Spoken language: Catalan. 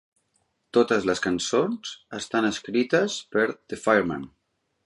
Totes les cançons estan escrites per The Fireman.